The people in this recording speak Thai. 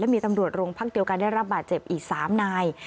มีตำรวจโรงพักเดียวกันได้รับบาดเจ็บอีก๓นาย